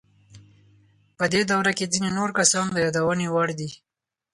په دې دوره کې ځینې نور کسان د یادونې وړ دي.